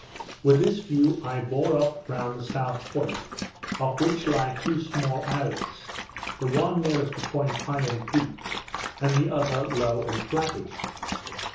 With this view I bore up round the south point, off which lie two small islets, the one nearest the point high and peaked, and the other low and flattish.